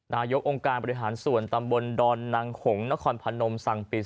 นายกองค์การบริหารส่วนตำบลดอนนางหงนครพนมสั่งปิด